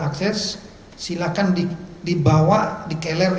akses silakan di dibawa dikeler